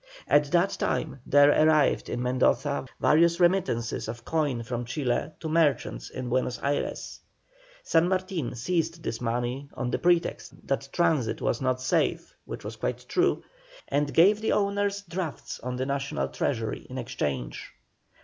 At that time there arrived in Mendoza various remittances of coin from Chile to merchants in Buenos Ayres. San Martin seized this money on the pretext that transit was not safe, which was quite true, and gave the owners drafts on the national treasury in exchange.